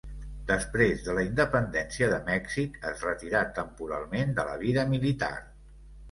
Després de la independència de Mèxic, es retirà temporalment de la vida militar.